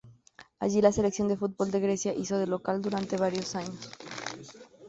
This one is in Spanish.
Allí la Selección de fútbol de Grecia hizo de local durante varios años.